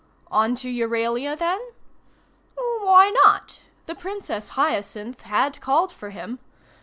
On to Euralia then? Why not? The Princess Hyacinth had called for him.